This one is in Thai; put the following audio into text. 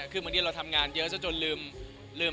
คือทีี่เราทำงานเยอะเจ้าจนลืม